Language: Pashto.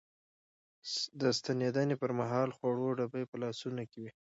د ستنېدنې پر مهال خوړو ډبي په لاسونو کې وې.